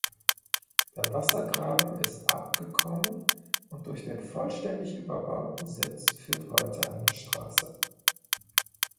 Der Wassergraben ist abgekommen und durch den vollständig überbauten Sitz führt heute eine Straße.